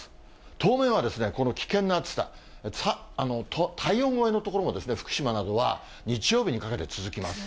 当面はこの危険な暑さ、体温超えの所も福島などは日曜日にかけて続きます。